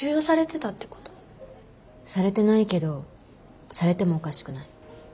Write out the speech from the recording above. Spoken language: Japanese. されてないけどされてもおかしくない。